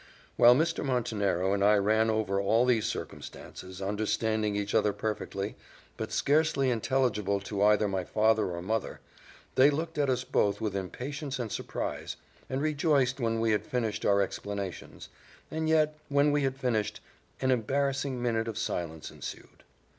While Mr. Montenero and I ran over all these circumstances, understanding each other perfectly, but scarcely intelligible to either my father or mother, they looked at us both with impatience and surprise, and rejoiced when we had finished our explanations and yet, when we had finished, an embarrassing minute of silence ensued.